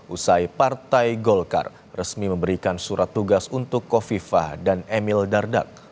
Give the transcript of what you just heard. usai partai golkar resmi memberikan surat tugas untuk kofifa dan emil dardak